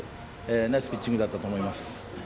ナイスピッチングだったと思います。